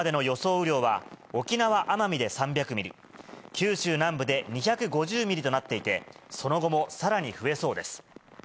雨量は沖縄・奄美で３００ミリ、九州南部で２５０ミリとなっていて、その後もさらに増えそうです。